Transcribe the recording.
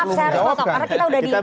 karena kita sudah dijawab